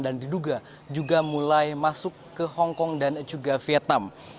dan diduga juga mulai masuk ke hong kong dan juga vietnam